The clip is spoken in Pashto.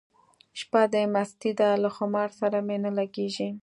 شپه د مستۍ ده له خمار سره مي نه لګیږي